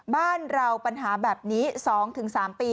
บ้านเราปัญหาแบบนี้๒๓ปี